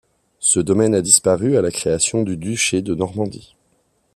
Ce domaine a disparu à la création du duché de Normandie.